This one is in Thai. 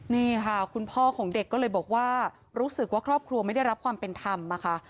นี่ค่ะคุณพ่อของเด็กก็เลยบอกว่ารู้สึกว่าครอบครัวไม่ได้รับความเป็นธรรมนะคะ